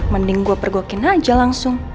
mending gue pergokin aja langsung